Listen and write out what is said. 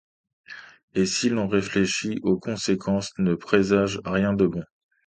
Et si l'on réfléchit aux conséquences, ne présage rien de bon.